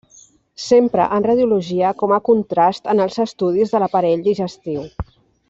S'empra en radiologia com a contrast en els estudis de l'aparell digestiu.